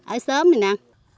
ở sớm này nè